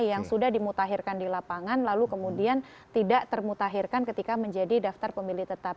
yang sudah dimutahirkan di lapangan lalu kemudian tidak termutahirkan ketika menjadi daftar pemilih tetap